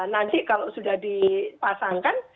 nanti kalau sudah dipasangkan